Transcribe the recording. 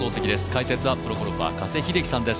解説は、プロゴルファー加瀬秀樹さんです。